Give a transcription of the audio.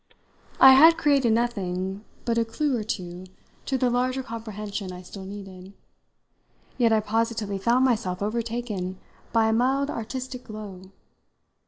I had created nothing but a clue or two to the larger comprehension I still needed, yet I positively found myself overtaken by a mild artistic glow.